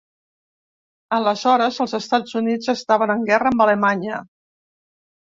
Aleshores, els Estats Units estaven en guerra amb Alemanya.